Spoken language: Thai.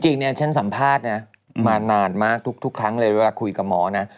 จริงเนี่ยฉันสัมภาษณ์นะมานานมากทุกครั้งเลยเวลาคุยกับหมอนะ